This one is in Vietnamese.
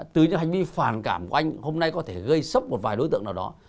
từ những hành vi phản cảm của anh hôm nay có thể gây sốc một vài đối tượng nào đó